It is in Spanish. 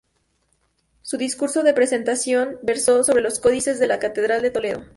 Su discurso de presentación versó sobre los "Códices de la Catedral de Toledo.